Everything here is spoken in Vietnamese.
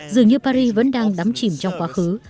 dường như paris vẫn đang đắm chìm trong quá khứ